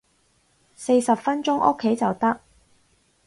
四十分鐘屋企就得